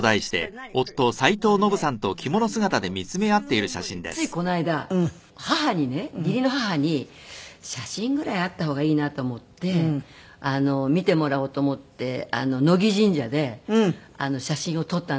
これね１０年後についこの間義母にね義理の母に写真ぐらいあった方がいいなと思って見てもらおうと思って乃木神社で写真を撮ったんですよ。